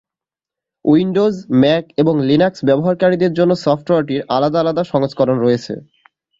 Windows, Mac এবং Linux ব্যবহারকারীদের জন্য সফটওয়্যারটির আলাদা আলাদা সংস্করণ রয়েছে।